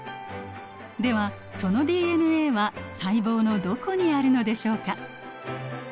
ではそのＤＮＡは細胞のどこにあるのでしょうか？